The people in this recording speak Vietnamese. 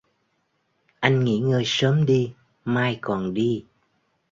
Anh nghỉ ngơi sớm đi mai còn đi